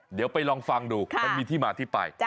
เดี๋ยวไปลองฟังดูมันมีที่มาที่ไป